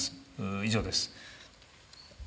以上です。